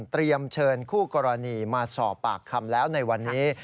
เชิญคู่กรณีมาสอบปากคำแล้วในวันนี้